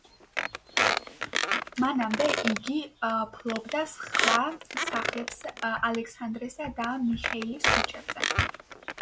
მანამდე იგი ფლობდა სხვა სახლებს ალექსანდრესა და მიხეილის ქუჩებზე.